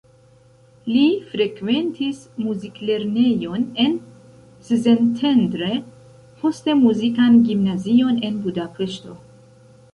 Li frekventis muziklernejon en Szentendre, poste muzikan gimnazion en Budapeŝto.